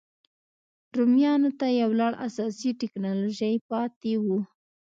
رومیانو ته یو لړ اساسي ټکنالوژۍ پاتې وو.